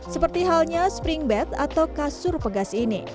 seperti halnya spring bed atau kasur pegas ini